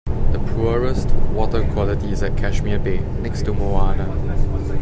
The poorest water quality is at Cashmere Bay, next to Moana.